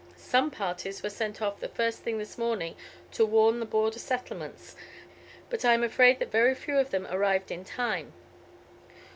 Some parties were sent off the first thing this morning to warn the border settlements, but I am afraid that very few of them arrived in time.